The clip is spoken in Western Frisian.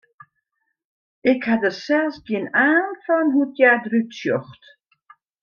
Ik ha der sels gjin aan fan hoe't hja derút sjocht.